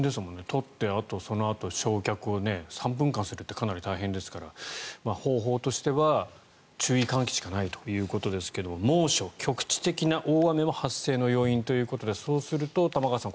取って、そのあと焼却を３分間するってかなり大変ですから方法としては注意喚起しかないということですが猛暑、局地的な大雨も発生の要因ということでそうすると玉川さん